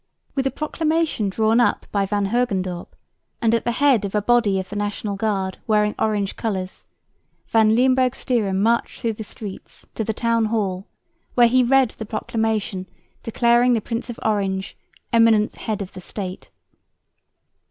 With a proclamation drawn up by Van Hogendorp, and at the head of a body of the National Guard wearing Orange colours, Van Limburg Stirum marched through the streets to the Town Hall, where he read the proclamation declaring the Prince of Orange "eminent head of the State."